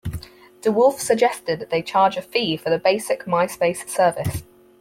DeWolfe suggested they charge a fee for the basic Myspace service.